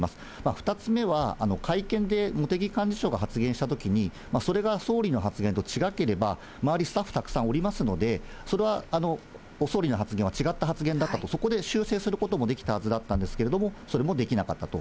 ２つ目は、会見で茂木幹事長が発言したときに、それが総理の発言とちがければ、周り、スタッフたくさんいますので、それは総理の発言は違った発言だったと、そこで修正することもできたはずだったんですけれども、それもできなかったと。